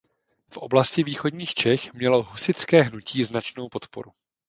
V oblasti východních Čech mělo husitské hnutí značnou podporu.